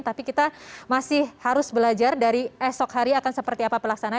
tapi kita masih harus belajar dari esok hari akan seperti apa pelaksanaan